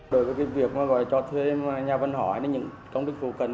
đổi cái việc mà gọi cho thuê nhà văn hóa đến những công đức vô cần